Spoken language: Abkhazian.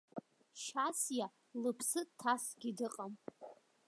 Шьасиа лыԥсы ҭасгьы дыҟам.